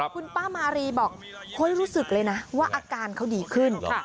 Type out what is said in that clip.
คุณป้ามารีบอกเฮ้ยรู้สึกเลยนะว่าอาการเขาดีขึ้น